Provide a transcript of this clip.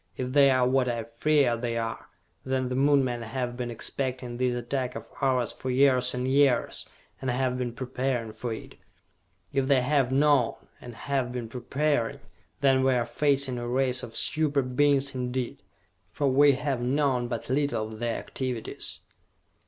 If they are what I fear they are, then the Moon men have been expecting this attack of ours for years and years, and have been preparing for it! If they have known, and have been preparing, then we are facing a race of super Beings indeed for we have known but little of their activities!"